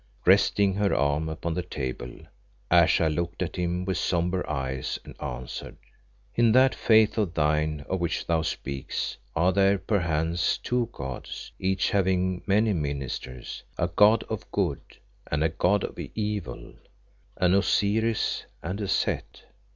Resting her arm upon the table, Ayesha looked at him with sombre eyes and answered "In that Faith of thine of which thou speakest are there perchance two gods, each having many ministers: a god of good and a god of evil, an Osiris and a Set?"